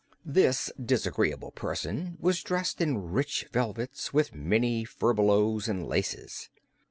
This disagreeable person was dressed in rich velvets, with many furbelows and laces.